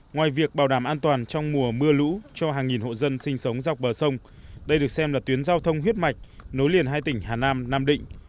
ngoài việc bảo đảm an toàn trong mùa mưa lũ cho hàng nghìn hộ dân sinh sống dọc bờ sông đây được xem là tuyến giao thông huyết mạch nối liền hai tỉnh hà nam nam định